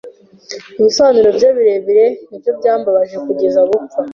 Ibisobanuro bye birebire ni byo byambabaje kugeza gupfa.